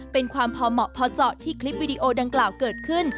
เป็นความพอเหมาะพอเจาะที่คลิปวิดีโอดังกล่าวเกิดขึ้น